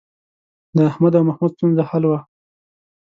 د احمد او محمود ستونزه حل وه.